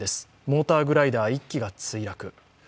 モーターグライダー１機が墜落。